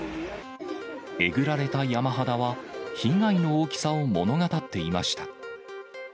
えぐられた山肌は、被害の大きさを物語っていました。